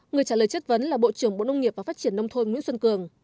người trả lời chất vấn là bộ trưởng bộ nông nghiệp và phát triển nông thôn nguyễn xuân cường